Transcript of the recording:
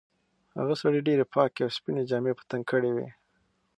هغه سړي ډېرې پاکې او سپینې جامې په تن کړې وې.